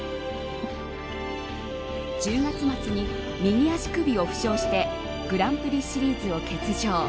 １０月末に右足首を負傷してグランプリシリーズを欠場。